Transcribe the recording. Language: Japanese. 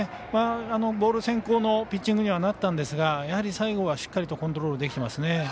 ボール先行のピッチングにはなったんですがやはり最後はしっかりとコントロールできています。